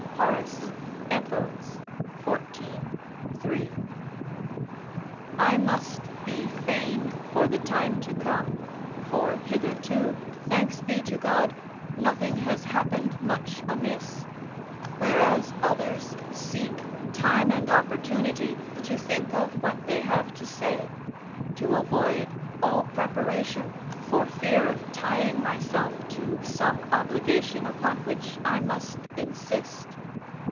Horace, Epod., xiv. 3.] I must be fain for the time to come (for hitherto, thanks be to God, nothing has happened much amiss), whereas others seek time and opportunity to think of what they have to say, to avoid all preparation, for fear of tying myself to some obligation upon which I must insist.